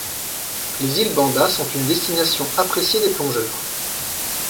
Les îles Banda sont une destination appréciée des plongeurs.